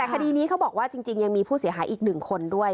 แต่คดีนี้เขาบอกว่าจริงยังมีผู้เสียหายอีก๑คนด้วย